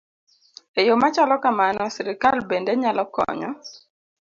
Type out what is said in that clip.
E yo ma chalo kamano, sirkal bende nyalo konyo